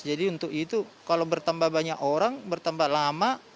jadi untuk itu kalau bertambah banyak orang bertambah lama